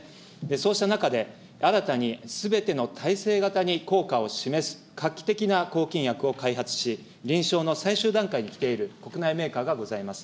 そうした中で、新たにすべての耐性型に効果を示す画期的な抗菌薬を開発し、臨床の最終段階にきている、国内メーカーがございます。